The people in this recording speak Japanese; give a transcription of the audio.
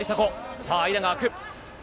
さあ、間が空く。